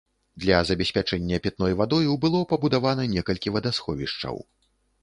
Для забеспячэння пітной вадою было пабудавана некалькі вадасховішчаў.